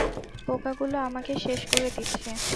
পোকাগুলো আমাকে শেষ করে দিচ্ছে।